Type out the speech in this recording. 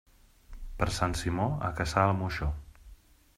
Per Sant Simó, a caçar el moixó.